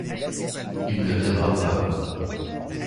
Il ne viendra pas.